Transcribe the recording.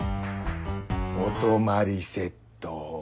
お泊まりセットを。